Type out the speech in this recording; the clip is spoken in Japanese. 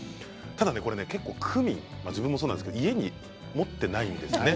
ただクミン、自分もそうですけれど家に持っていないんですよね。